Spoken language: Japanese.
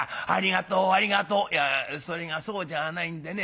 「いやそれがそうじゃあないんでね。